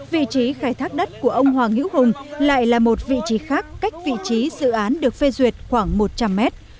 vị trí khai thác đất của ông hoàng hữu hùng lại là một vị trí khác cách vị trí dự án được phê duyệt khoảng một trăm linh mét